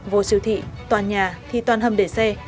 vô siêu thị tòa nhà thì toàn hầm để xe